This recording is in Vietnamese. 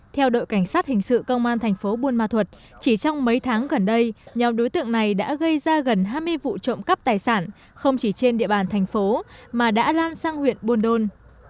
theo đội cảnh sát hình sự công an thành phố buôn ma thuật chỉ trong mấy tháng gần đây nhóm đối tượng này đã gây ra gần hai mươi vụ trộm cắp tài sản không chỉ trên địa bàn thành phố mà đã lan sang huyện buôn đôn